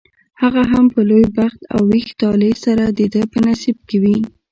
هغه هم په لوی بخت او ویښ طالع سره دده په نصیب کې وي.